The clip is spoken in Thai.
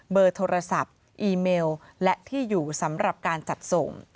เบอร์โทรศัพท์อีเมลและที่อยู่สำหรับการจัดส่ง